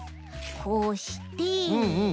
こうして。